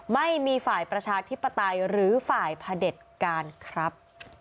ไม่มีฝ่ายประชาธิปไตยหรือฝ่ายพระเด็จการครับ